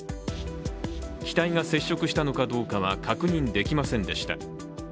機体が接触したのかどうかは確認できませんでした。